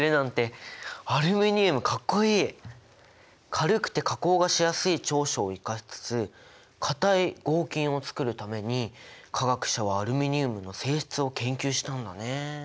軽くて加工がしやすい長所を生かしつつ硬い合金をつくるために化学者はアルミニウムの性質を研究したんだね。